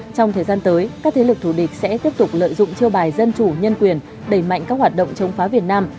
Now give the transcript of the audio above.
trong thời gian tới các thế lực thủ địch sẽ tiếp tục lợi dụng chiêu bài dân chủ nhân quyền đẩy mạnh các hoạt động chống phá việt nam